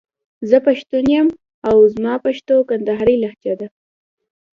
زه پښتون يم او زما پښتو کندهارۍ لهجه ده.